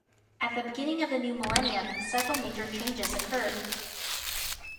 At the beginning of the new millennium, several major changes occurred.